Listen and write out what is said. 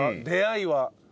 出会いは。